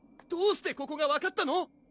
どうしてここが分かったの？